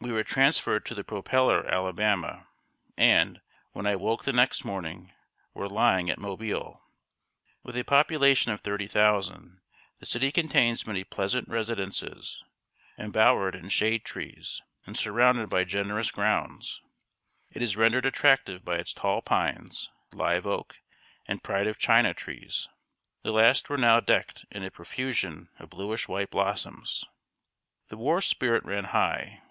] We were transferred to the propeller Alabama, and, when I woke the next morning, were lying at Mobile. With a population of thirty thousand, the city contains many pleasant residences, embowered in shade trees, and surrounded by generous grounds. It is rendered attractive by its tall pines, live oak, and Pride of China trees. The last were now decked in a profusion of bluish white blossoms. The war spirit ran high.